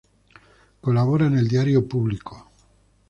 Colabora en el diario Público.